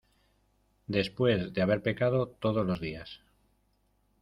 después de haber pecado todos los días.